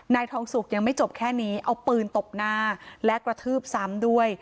นายทองสุกยังไม่จบแค่นี้เอาปืนตบหน้าและกระทืบซ้ำด้วย